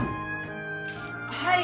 ・はい。